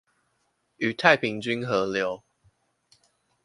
與太平軍合流